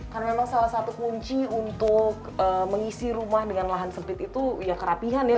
karena memang salah satu kunci untuk mengisi rumah dengan lahan sempit itu ya kerapihan ya